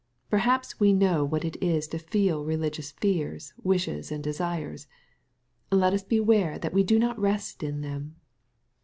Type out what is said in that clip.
Perhaps we know what it is to feel religious fears, wishes, and desires. Let us beware that we do not rest in them.